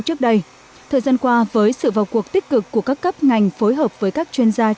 trước đây thời gian qua với sự vào cuộc tích cực của các cấp ngành phối hợp với các chuyên gia trong